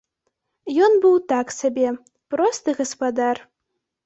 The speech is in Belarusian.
Ён быў так сабе, просты гаспадар.